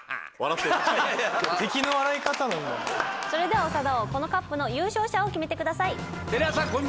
それでは長田王このＣＵＰの優勝者を決めてください。